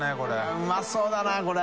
うまそうだなこれ。